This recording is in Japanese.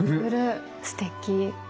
すてき！